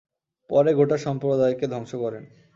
পরে গোটা সম্প্রদায়কে ধ্বংস করেন।